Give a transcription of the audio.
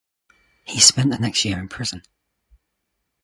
He spent the next year in prison.